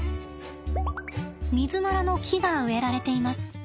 ミズナラの木が植えられています。